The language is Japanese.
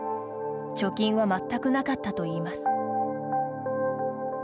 貯金は全くなかったといいます。